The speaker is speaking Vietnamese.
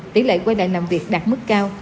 tỷ lệ quay lại làm việc đạt mức cao